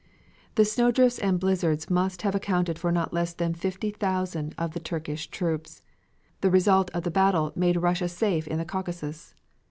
The snowdrifts and blizzards must have accounted for not less than 50,000 of the Turkish troops. The result of the battle made Russia safe in the Caucasus.